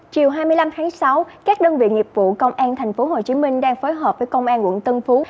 chiều hai mươi năm tháng sáu các đơn vị nghiệp vụ công an tp hcm đang phối hợp với công an quận tân phú